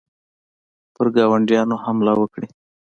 پر ګاونډیانو حمله وکړي.